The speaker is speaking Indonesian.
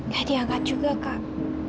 dia diangkat juga kak